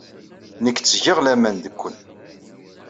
Nekk ttgeɣ laman deg Ken.